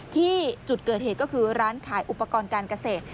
ที่จุดเกิดเหตุก็คือร้านขายอุปกรณ์การเกษตร